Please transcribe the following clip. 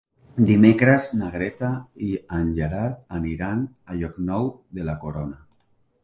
Dimecres na Greta i en Gerard aniran a Llocnou de la Corona.